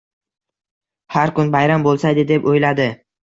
Har kun bayram bo'lsaydi, deb o'yladi.